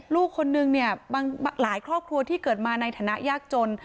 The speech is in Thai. ลูกคนนึงเนี่ยบางหลายครอบครัวที่เกิดมาในฐานะยากจน